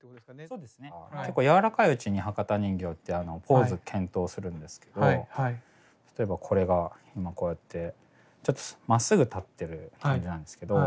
結構柔らかいうちに博多人形ってポーズ検討するんですけど例えばこれが今こうやってちょっとまっすぐ立ってる感じなんですけど